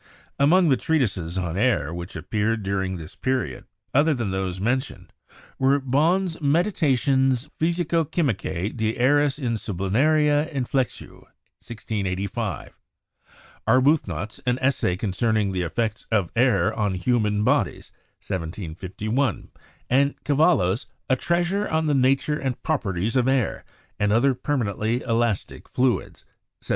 Among the treatises on air which appeared during this period, other than those mentioned, were Bohn's 'Medita 134 CHEMISTRY tiones physico chymicae de aeris in sublunaria inflexir (1685) ; Arbuthnot's 'An Essay concerning the Effects of Air on Human Bodies' (1751) ; and Cavallo's 'A Trea tise on the Nature and properties of Air and other per manently elastic Fluids' (1781).